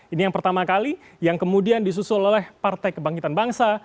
ini yang pertama kali yang kemudian disusul oleh partai kebangkitan bangsa